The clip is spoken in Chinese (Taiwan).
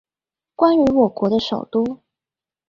關於我國的首都